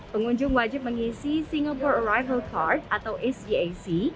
pengunjung wajib mengisi singapore arrival card atau sgac